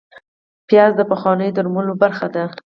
پیاز د پخوانیو درملو برخه وه